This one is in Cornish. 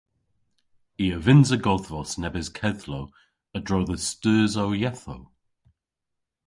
I a vynnsa godhvos nebes kedhlow a-dro dhe steusow yethow.